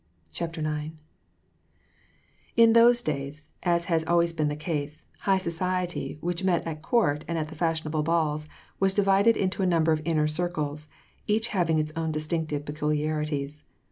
CHAPTER IX In those days, as has always been the case, "high society,*' which met at court and at the fashionable balls, was divided into a number of inner circles, each having its own distinctive peculiarities.